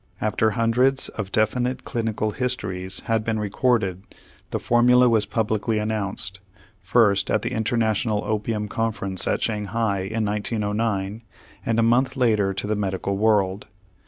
After hundreds of definite clinical histories had been recorded, the formula was publicly announced, first, at the International Opium Conference at Shanghai in 1909, and a month later to the medical world.